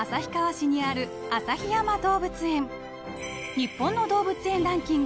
［日本の動物園ランキング